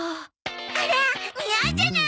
あら似合うじゃない！